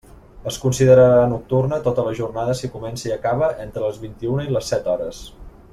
Es considerarà nocturna tota la jornada si comença i acaba entre les vint-i-una i les set hores.